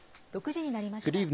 ６時になりました。